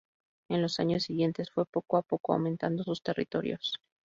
En los años siguientes fue, poco a poco, aumentando sus territorios.